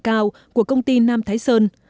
cao của công ty nam thái sơn